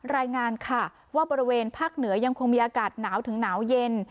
รายงานค่ะว่าบริเวณภาคเหนือยังคงมีอากาศหนาวถึงหนาวเย็น